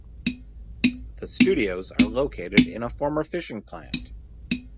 The studios are located in a former fishing plant.